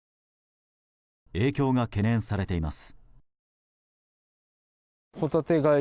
影響が懸念されています。